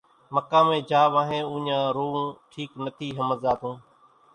مقامين جھا وانھين اُوڃان روئون ٺيڪ نٿي ۿمزاتون۔